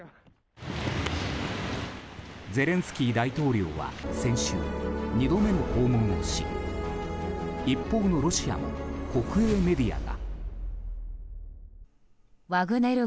ゼレンスキー大統領は先週２度目の訪問をし一方のロシアも国営メディアが。